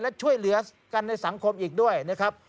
และช่วยเหลือกันในสังคมอีกด้วยนะครับ